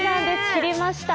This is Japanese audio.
切りました。